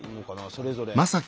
それぞれ。